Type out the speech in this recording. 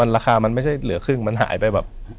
ราคามันไม่ใช่เหลือครึ่งมันหายไปแบบ